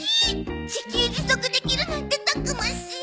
自給自足できるなんてたくましい！